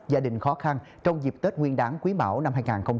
gia đình khó khăn trong dịp tết nguyên đáng quý mảo năm hai nghìn hai mươi ba